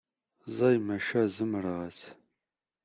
Ẓẓay maca zemreɣ-as.